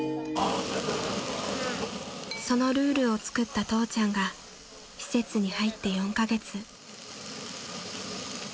［そのルールを作った父ちゃんが施設に入って４カ月］